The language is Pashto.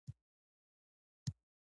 د توشیح لپاره د حکومت رئیس ته ځي.